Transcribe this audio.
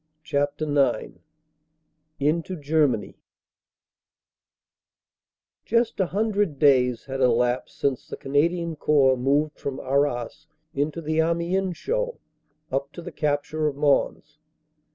CHAPTER IX INTO GERMANY JUST a hundred days had elapsed since the Canadian Corps moved from Arras into the Amiens show up to the capture of Mons.